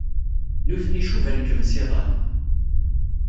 Nutni cuban-kem s iḍan.